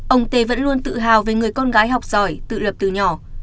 ông tê vẫn luôn tự hào về người con gái học giỏi tự lập từ nhỏ